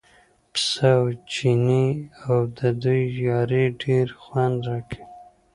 پسه او چینی او د دوی یاري ډېر خوند راکوي.